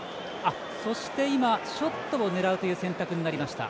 そして、今、ショットを狙うという選択になりました。